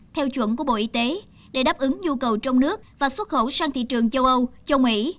theo chuẩn của bộ y tế để đáp ứng nhu cầu trong nước và xuất khẩu sang thị trường châu âu châu mỹ